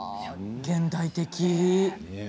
現代的。